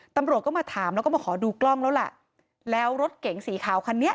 ตำรวจก็มาถามแล้วก็มาขอดูกล้องแล้วล่ะแล้วรถเก๋งสีขาวคันนี้